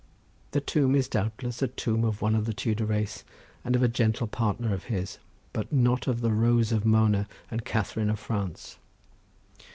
The tomb is doubtless a tomb of one of the Tudor race, and of a gentle partner of his, but not of the Rose of Mona and Catherine of France.